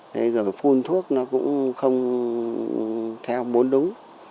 thế rồi phun thuốc nó cũng không theo bốn đúng